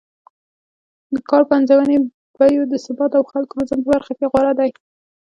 د کار پنځونې، بیو د ثبات او خلکو روزنې په برخه کې غوره دی